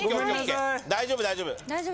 大丈夫大丈夫。